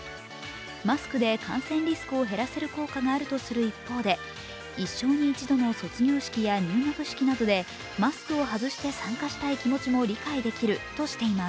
マスクで感染リスクを減らせる効果があるとする一方で一生に一度の卒業式や入学式などでマスクを外して参加したい気持ちも理解できるとしています。